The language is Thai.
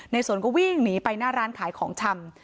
สนก็วิ่งหนีไปหน้าร้านขายของชำ